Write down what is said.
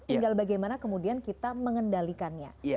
tinggal bagaimana kemudian kita mengendalikannya